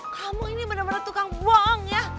kamu ini bener bener tukang bohong ya